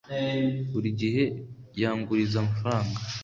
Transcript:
buri gihe yanguriza amafaranga